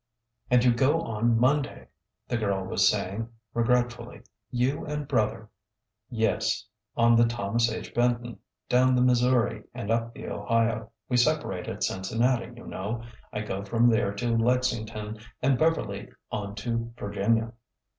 And you go on Monday," the girl was saying, regret fully,— you and brother." " Yes. On the Thomas H. Benton— down the Missouri and up the Ohio. We separate at Cincinnati, you know. I go from there to Lexington, and Beverly on to Vir ginia."